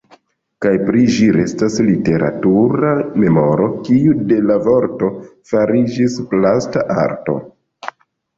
Kaj pri ĝi restas literatura memoro kiu de la vorto fariĝis plasta arto.